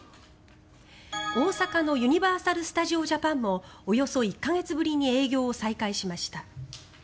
大阪のユニバーサル・スタジオ・ジャパンもおよそ１か月ぶりに営業を再開しました。